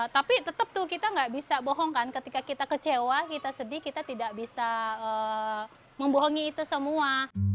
tapi tetap tuh kita nggak bisa bohongkan ketika kita kecewa kita sedih kita tidak bisa membohongi itu semua